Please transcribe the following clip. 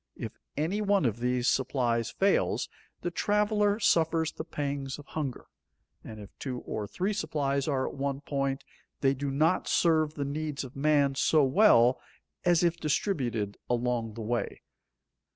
If any one of these supplies fails, the traveler suffers the pangs of hunger, and if two or three supplies are at one point, they do not serve the needs of man so well as if distributed along the way.